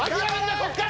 ここから！